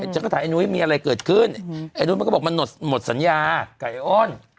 ฉันก็ถามไอ้นุ้ยมีอะไรเกิดขึ้นไอ้นุ้ยมันก็บอกมันหมดสัญญากับไอ้อ้น